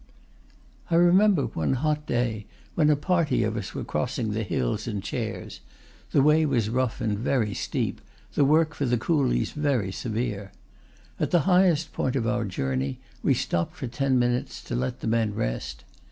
I remember one hot day when a party of us were crossing the hills in chairs the way was rough and very steep, the work for the coolies very severe. At the highest point of our journey, we stopped for ten minutes to let the men rest.